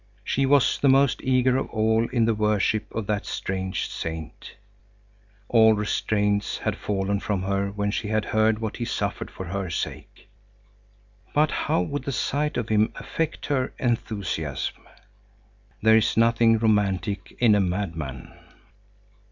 She was the most eager of all in the worship of that strange saint. All restraints had fallen from her when she had heard what he suffered for her sake. But how would the sight of him affect her enthusiasm? There is nothing romantic in a madman.